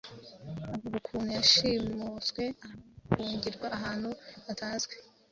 Avuga ukuntu yashimuswe akanafungirwa ahantu hatazwi